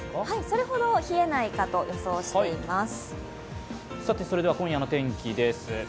それほど冷えないかと予想しています。